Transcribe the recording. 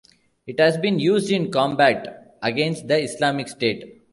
It has been used in combat against the Islamic State.